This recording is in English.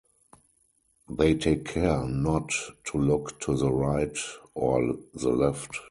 They take care not to look to the right or the left.